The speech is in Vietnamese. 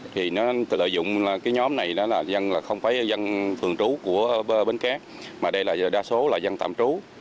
thì nó lợi dụng cái nhóm này là không phải dân thường trú của bến cát mà đây là đa số là dân tạm trú